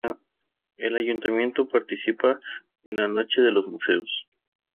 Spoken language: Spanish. El Ayuntamiento participa en la Noche de los Museos.